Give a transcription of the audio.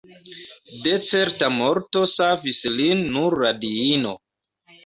De certa morto savis lin nur la diino.